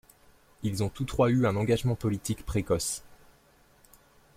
Ils ont tous trois eu un engagement politique précoce.